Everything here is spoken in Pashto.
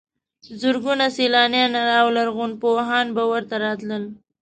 زرګونه سیلانیان او لرغونپوهان به ورته راتلل.